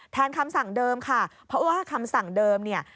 คำสั่งเดิมค่ะเพราะว่าคำสั่งเดิมเนี่ย